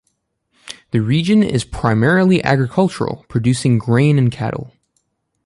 The region is primarily agricultural, producing grain and cattle.